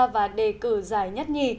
và đề cử giải nhất nhì